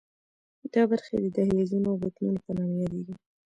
دا برخې د دهلیزونو او بطنونو په نامه یادېږي.